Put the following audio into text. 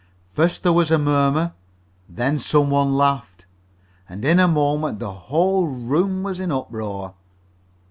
First there was a murmur, then some one laughed. In a moment the whole room was in an uproar.